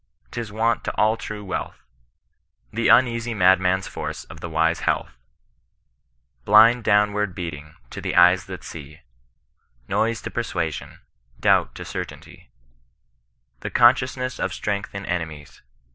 Tis want to all true wealth ; The uneasy madman's force to the wise health ; Blind downward beating, to the eyes that see ; Koise to persuasion, doubt to certainty ; The consciousness of strex^h in enemies.